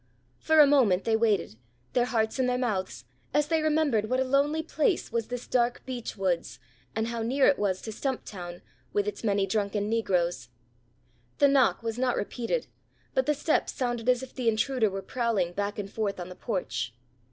For a moment they waited, their hearts in their mouths, as they remembered what a lonely place was this dark beech woods, and how near it was to Stumptown, with its many drunken negroes. The knock was not repeated, but the steps sounded as if the intruder were prowling back and forth on the porch.